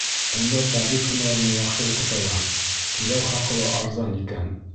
Унда табип һөнәренә яҡшы уҡыталар, түләү хаҡы ла арзан икән.